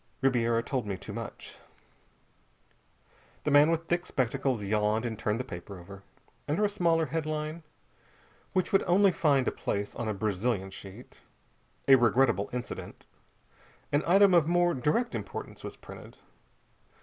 "Ribiera told me too much." The man with thick spectacles yawned and turned the paper over. Under a smaller headline which would only find a place on a Brazilian sheet "A Regrettable Incident" an item of more direct importance was printed.